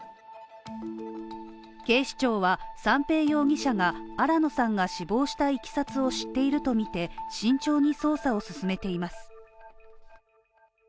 警視庁は、三瓶容疑者が新野さんが死亡したいきさつを知っているとみて慎重に捜査を進めています。